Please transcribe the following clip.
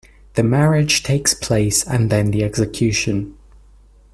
The marriage takes place and then the execution.